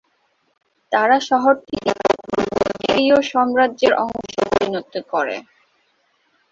তারা শহরটিকে প্রথম বুলগেরীয় সাম্রাজ্যের অংশে পরিণত করে।